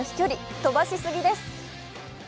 飛ばしすぎです。